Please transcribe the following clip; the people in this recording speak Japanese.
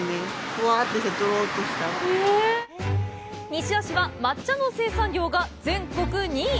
西尾市は抹茶の生産量が全国２位！